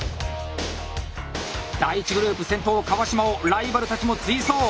第１グループ先頭川島をライバルたちも追走！